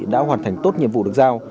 đã hoàn thành tốt nhiệm vụ được giao